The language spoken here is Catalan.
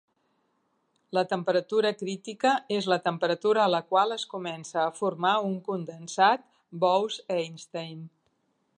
La temperatura crítica és la temperatura a la qual es comença a formar un condensat Bose-Einstein.